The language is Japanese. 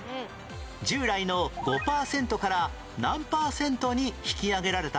従来の５パーセントから何パーセントに引き上げられた？